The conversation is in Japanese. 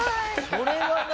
それは何？